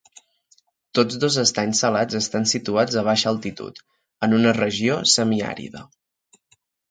Tots dos estanys salats estan situats a baixa altitud, en una regió semiàrida.